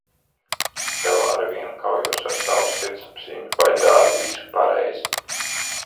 Vēl aizvien kaujos ar savu sirdsapziņu, vai daru visu pareizi.